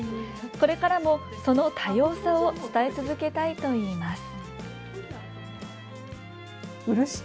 これからも、その多様さを伝え続けたいといいます。